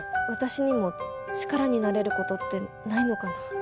私にも力になれることってないのかな？